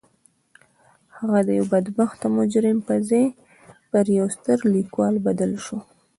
هغه د یوه بدبخته مجرم پر ځای پر یوه ستر لیکوال بدل شو